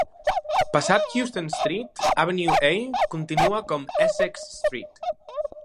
Passat Houston Street, Avenue A continua com Essex Street.